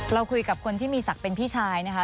เราคุยกับคนที่มีศักดิ์เป็นพี่ชายนะคะ